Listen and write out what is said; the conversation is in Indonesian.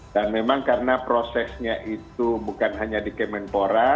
dan memang karena prosesnya itu bukan hanya di kemenpora